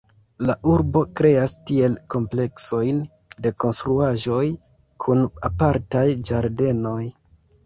La urbo kreas tiel kompleksojn de konstruaĵoj kun apartaj ĝardenoj.